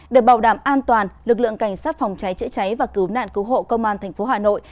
để bảo đảm an toàn lực lượng cảnh sát phòng cháy chữa cháy và cứu nạn cứu hộ công an tp hà nội